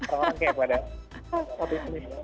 orang orang kayak pada oke